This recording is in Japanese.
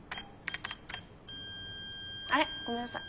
あれごめんなさい。